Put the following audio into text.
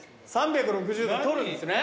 ３６０度撮るんですね。